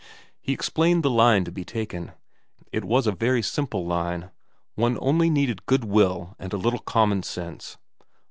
He explained the line to be taken. It was a very simple line. One only needed goodwill and a little common sense.